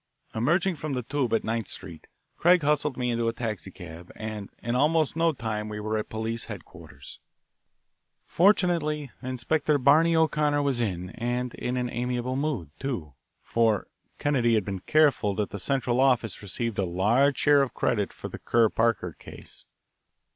Emerging from the "Tube" at Ninth Street, Craig hustled me into a taxicab, and in almost no time we were at police headquarters. Fortunately, Inspector Barney O'Connor was in and in an amiable mood, too, for Kennedy had been careful that the Central Office received a large share of credit for the Kerr Parker case.